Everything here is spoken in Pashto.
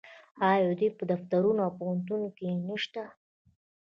آیا دوی په دفترونو او پوهنتونونو کې نشته؟